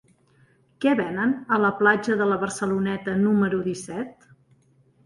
Què venen a la platja de la Barceloneta número disset?